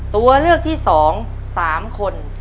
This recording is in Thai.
ตัวเลือกที่๒๓คน